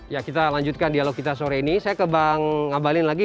ya kita lanjutkan dialog kita sore ini saya ke bang ngabalin lagi